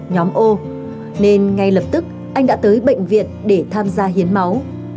nên ngay lập tức anh đã tới bệnh viện để tham gia hiến máu